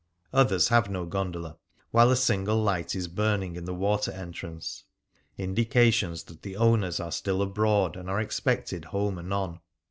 Others have no gondola, while a single light is burning in the water entrance — indications that the owners are still abroad and are expected home anon.